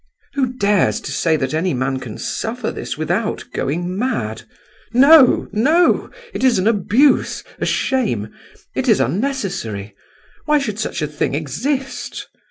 Who dares to say that any man can suffer this without going mad? No, no! it is an abuse, a shame, it is unnecessary—why should such a thing exist?